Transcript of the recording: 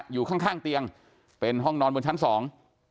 อยู่ข้างข้างเตียงเป็นห้องนอนบนชั้นสอง